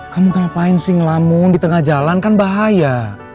kamu ngapain sih ngelamun di tengah jalan kan bahaya